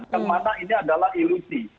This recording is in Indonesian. yang mana ini adalah ilusi